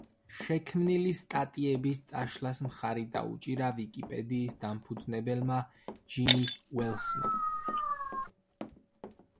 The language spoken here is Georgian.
შექმნილი სტატიების წაშლას მხარი დაუჭირა ვიკიპედიის დამფუძნებელმა ჯიმი უელსმა.